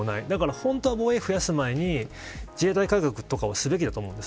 本当は防衛費を増やす前に自衛隊改革とかをするべきだと思います。